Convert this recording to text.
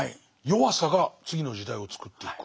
「弱さが次の時代をつくっていく」？